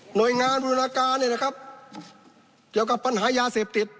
โดยงานบูรณาการเนี่ยนะครับเกี่ยวกับปัญหายาเสพติด